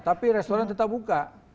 tapi restoran tetap buka